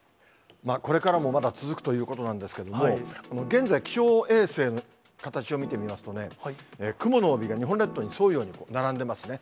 これからもまだ続くということなんですけども、現在、気象衛星の形を見てみますとね、雲の帯が日本列島に沿うように並んでますね。